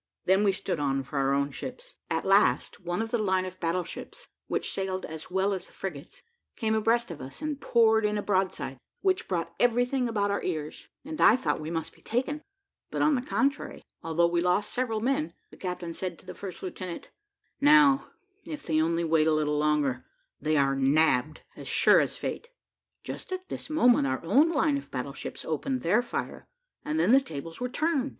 Then we stood on for our own ships. At last one of the line of battle ships, which sailed as well as the frigates, came abreast of us, and poured in a broadside, which brought every thing about our ears, and I thought we must be taken; but on the contrary, although we lost several men, the captain said to the first lieutenant, "Now, if they only wait a little longer, they are nabbed, as sure as fate." Just at this moment, our own line of battle ships opened their fire, and then the tables were turned.